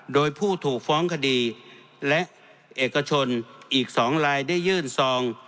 โดยผู้ถูกฟ้องคดีและเอกชนอีก๒รายได้ยื่นซอง